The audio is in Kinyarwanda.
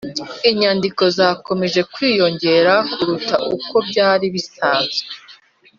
inyandiko zakomeje kwiyongera kuruta uko byari bisanzwe